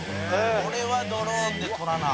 「これはドローンで撮らな」